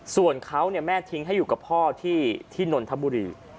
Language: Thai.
ส่วนเขาแม่ทิ้งให้อยู่กับพ่อที่นนทบุรี